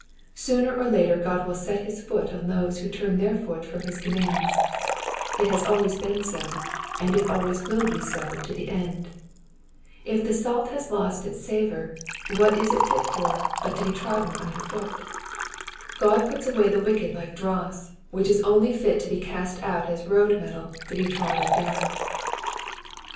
Sooner (mt later God will set his foot on those who turn their foot from bis commands : tt has always been so, and it always will be so to the end. If the salt hai lost Its savour, what is it fit for but to be trodden under foot f God puts Digitized by VjOOQIC 260 EXPOSITIONS OP THE PSALMS. away the wicked like dross, which is only fit to be cast out as road metal to be trodden down.